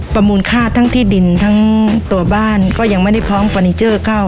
มูลค่าทั้งที่ดินทั้งตัวบ้านก็ยังไม่ได้พร้อมเฟอร์นิเจอร์เข้า